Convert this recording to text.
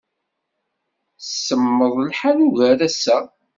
Semmeḍ lḥal ugar ass-a.